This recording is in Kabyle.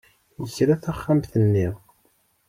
Yekra taxxamt-nni.